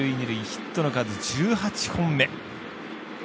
ヒットの数、１８本目。